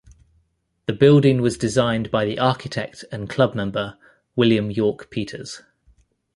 The building was designed by the architect and clubmember William York Peters.